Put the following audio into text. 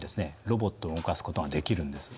ロボットを動かすことができるんです。